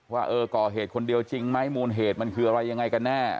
ว่าเออก่อเหตุคนเดียวจริงไหมมูลเหตุมันคืออะไรยังไงกันแน่